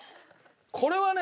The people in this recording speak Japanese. これはね